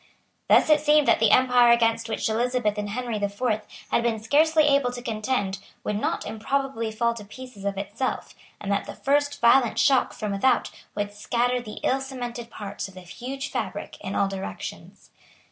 Thus it seemed that the empire against which Elizabeth and Henry the Fourth had been scarcely able to contend would not improbably fall to pieces of itself, and that the first violent shock from without would scatter the ill cemented parts of the huge fabric in all directions.